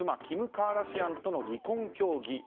キム・カーダシアンとの離婚協議。